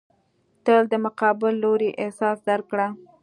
تل د مقابل لوري احساس درک کړه.